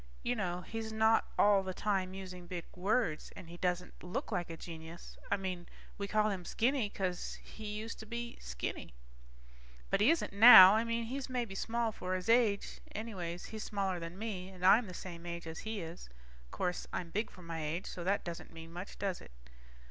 You know, he's not all the time using big words, and he doesn't look like a genius. I mean, we call him Skinny 'cause he used to be Skinny. But he isn't now, I mean he's maybe small for his age, anyway he's smaller than me, and I'm the same age as he is. 'Course, I'm big for my age, so that doesn't mean much, does it?